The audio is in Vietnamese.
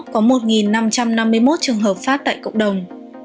có một năm trăm năm mươi một trường hợp phát tại cộng đồng